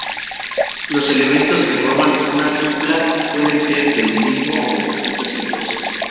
Los elementos que forman una tupla pueden ser del mismo o de distintos tipos.